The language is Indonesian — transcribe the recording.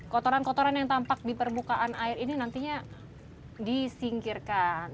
kotoran kotoran yang tampak di permukaan air ini nantinya disingkirkan